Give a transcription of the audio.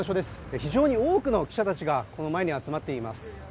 非常に多くの記者たちが、この前に集まっています。